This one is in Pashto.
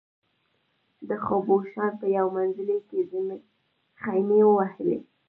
د خبوشان په یو منزلي کې خېمې ووهلې.